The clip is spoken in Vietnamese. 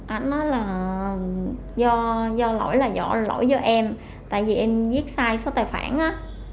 anh nói là do lỗi là do lỗi do em tại vì em viết sai số tài khoản á